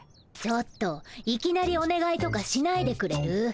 ちょっといきなりおねがいとかしないでくれる？